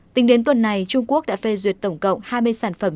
tính đến tuần này trung quốc đã phê duyệt tổng cộng hai mươi sản phẩm